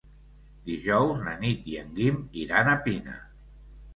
Dijous na Nit i en Guim iran a Pina.